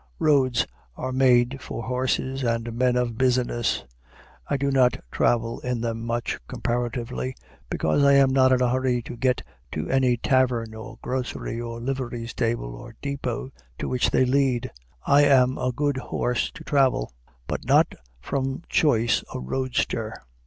Roads are made for horses and men of business. I do not travel in them much, comparatively, because I am not in a hurry to get to any tavern or grocery or livery stable or depot to which they lead. I am a good horse to travel, but not from choice a roadster.